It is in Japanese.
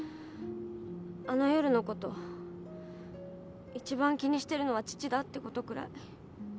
あの夜のこといちばん気にしてるのは父だってことくらい。